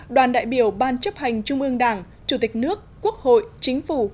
đoàn đại biểu ban chấp hành trung ương đảng chủ tịch nước quốc hội chính phủ